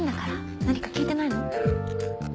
何か聞いてないの？